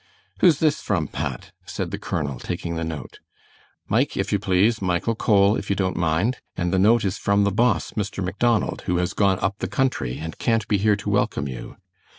"Who's this from, Pat," said the colonel, taking the note. "Mike, if you please, Michael Cole, if you don't mind; and the note is from the boss, Mr. Macdonald, who has gone up the country, and can't be here to welcome you."